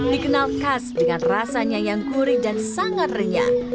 dikenal khas dengan rasanya yang gurih dan sangat renyah